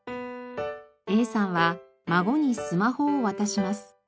Ａさんは孫にスマホを渡します。